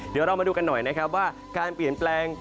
เดี๋ยวเรามาดูกันหน่อยนะครับว่าการเปลี่ยนแปลง